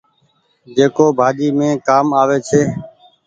جيڪو ڀآڃي مين ڪآم آوي ڇي۔